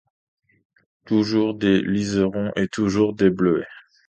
Toujours des liserons et toujours des bleuets